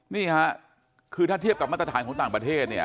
นี่ค่ะคือถ้าเทียบกับมาตรฐานของต่างประเทศเนี่ย